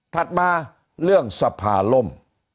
มาเรื่องสภาล่ม